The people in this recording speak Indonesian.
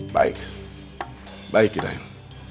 baik baik hidayun